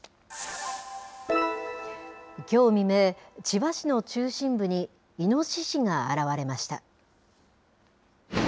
きょう未明、千葉市の中心部にイノシシが現れました。